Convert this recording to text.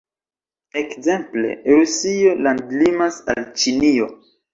Ekzemple, Rusio landlimas al Ĉinio.